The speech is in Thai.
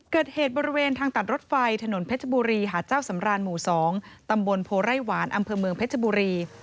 เกิดเหตุบริเวณทางตัดรถไฟถนนเพชรบุรีหาเจ้าสำรานหมู่๒ตำบลโพไร่หวานอำเภอเมืองเพชรบุรี